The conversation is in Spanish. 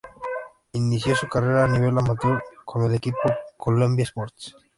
Inició su carrera a nivel amateur con el equipo Colombia sports.